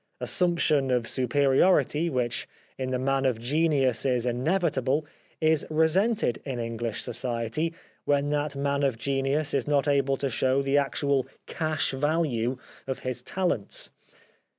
Assumption of superiority which in the man of genius is inevitable is resented in English society when that man of genius is not able to show the actual cash value of his talents.